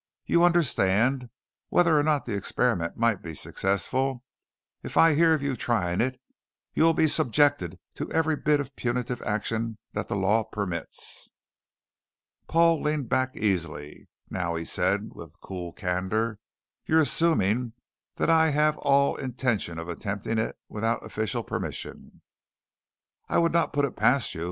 "You understand, whether or not the experiment might be successful, if I hear of your trying it, you will be subjected to every bit of punitive action that the law permits." Paul leaned back easily. "Now," he said with cool candor, "you're assuming that I have all intention of attempting it without official permission." "I would not put it past you.